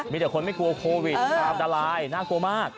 มีแต่คนไม่กลัวโควิดอันตรายน่ากลัวมาก